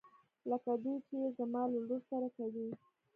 لکه دوی چې يې زما له لور سره کوي.